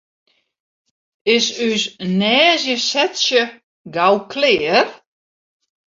Is ús neigesetsje gau klear?